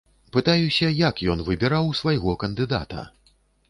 Пытаюся, як ён выбіраў свайго кандыдата?